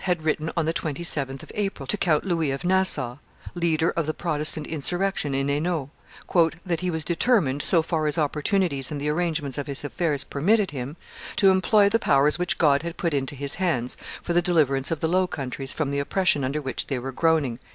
had written on the 27th of April to Count Louis of Nassau, leader of the Protestant insurrection in Hainault, "that he was determined, so far as opportunities and the arrangements of his affairs permitted him, to employ the powers which God had put into his hands for the deliverance of the Low Countries from the oppression under which they were groaning."